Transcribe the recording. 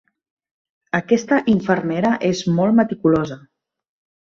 Aquesta infermera és molt meticulosa.